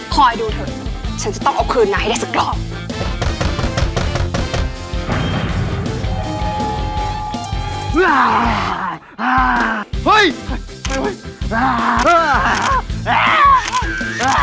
ดูเถอะฉันจะต้องเอาคืนมาให้ได้สักรอบ